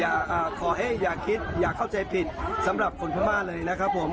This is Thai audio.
ขอให้อย่าคิดอย่าเข้าใจผิดสำหรับคนพม่าเลยนะครับผม